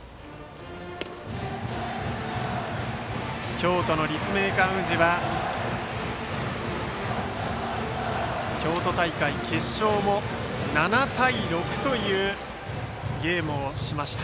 京都の立命館宇治は京都大会決勝も７対６というゲームをしました。